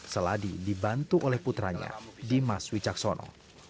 seladi dibantu oleh putranya dimas wicaksono